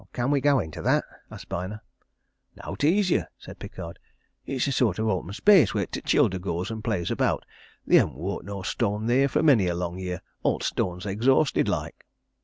"Can we go into that?" asked Byner. "Nowt easier!" said Pickard. "It's a sort of open space where t' childer goes and plays about: they hev'n't worked no stone theer for many a long year all t' stone's exhausted, like."